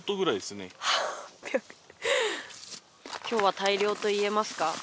今日は大量といえますか？